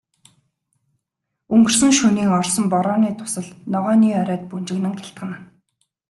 Өнгөрсөн шөнийн орсон борооны дусал ногооны оройд бөнжгөнөн гялтганана.